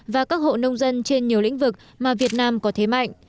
và các hộ nông dân trên nhiều lĩnh vực mà việt nam có thế mạnh